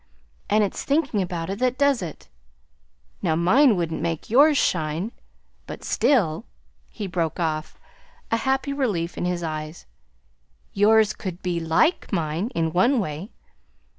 And it's thinking about it that does it. Now, mine wouldn't make yours shine, but still," he broke off, a happy relief in his eyes, "yours could be LIKE mine, in one way.